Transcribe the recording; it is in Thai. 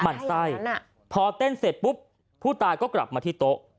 มันไส้พอเต้นเสร็จปุ๊บผู้ตายก็กลับมาที่โต๊ะ